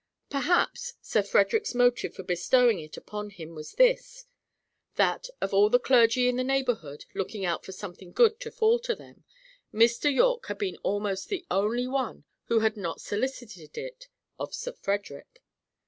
Perhaps, Sir Frederick's motive for bestowing it upon him was this that, of all the clergy in the neighbourhood, looking out for something good to fall to them, Mr. Yorke had been almost the only one who had not solicited it of Sir Frederick.